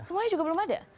semuanya juga belum ada